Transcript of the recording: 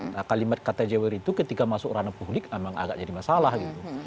nah kalimat kata jewer itu ketika masuk ranah publik memang agak jadi masalah gitu